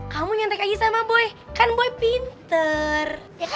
kamu nyantek lagi sama boy kan boy pinter